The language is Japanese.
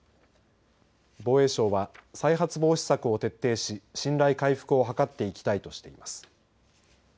防衛省は再発防止策を徹底し信頼回復を図っていきたいとしています。